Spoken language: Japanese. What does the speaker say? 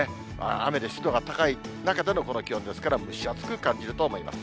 雨で湿度が高い中でのこの気温ですから、蒸し暑く感じると思います。